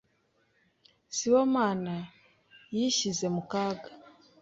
Sibomana yishyize mu kaga.